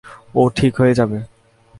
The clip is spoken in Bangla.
ও ঠিক হয়ে যাবে!